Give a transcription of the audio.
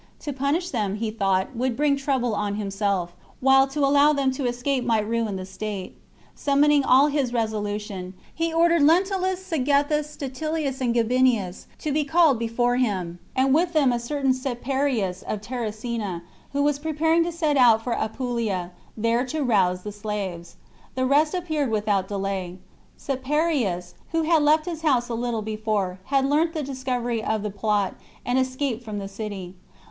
To punish them, he thought, would bring trouble on himself, while to allow them to escape might ruin the state. Summoning all his resolution, he ordered Lentulus, Cethegus, Statilius, and Gabinius, to be called before him, and with them a certain Caeparius of Tarracina, who was preparing to set out for Apulia, there to rouse the slaves. The rest appeared without delay ; Caeparius, who had left his house a little be fore, had learnt the discovery of the plot, and escaped from the city.